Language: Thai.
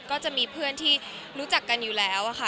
ก็จะมีเพื่อนที่รู้จักกันอยู่แล้วค่ะ